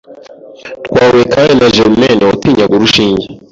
Twahuye kandi na Germaine watinyaga urushinge